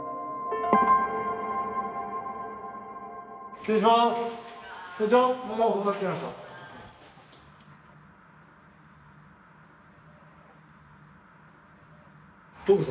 失礼します。